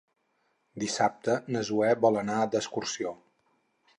Dissabte na Zoè vol anar d'excursió.